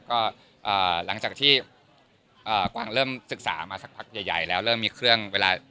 ก็หลังจากที่กวางเริ่มศึกษามาสักพักใหญ่แล้วเริ่มมีเครื่องเวลา